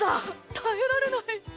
耐えられない。